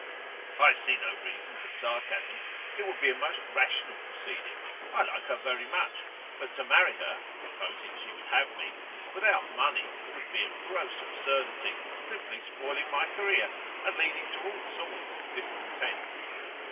'I see no reason for sarcasm. It would be a most rational proceeding. I like her very much; but to marry her (supposing she would have me) without money would he a gross absurdity, simply spoiling my career, and leading to all sorts of discontents.